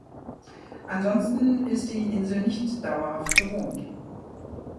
Ansonsten ist die Insel nicht dauerhaft bewohnt.